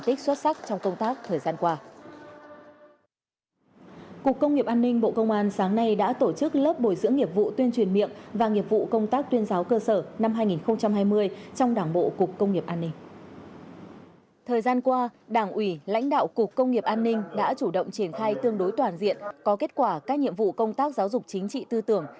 thời gian qua đảng ủy lãnh đạo cục công nghiệp an ninh đã chủ động triển khai tương đối toàn diện có kết quả các nhiệm vụ công tác giáo dục chính trị tư tưởng